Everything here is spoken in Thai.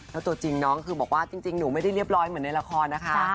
แล้วตัวจริงน้องคือบอกว่าจริงหนูไม่ได้เรียบร้อยเหมือนในละครนะคะ